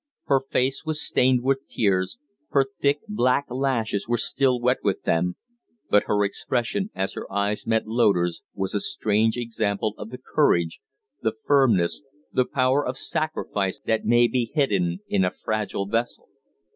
Her face was stained with tears, her thick, black lashes were still wet with them; but her expression, as her eyes met Loder's, was a strange example of the courage, the firmness, the power of sacrifice that may be hidden in a fragile vessel.